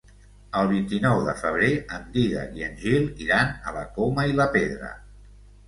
El vint-i-nou de febrer en Dídac i en Gil iran a la Coma i la Pedra.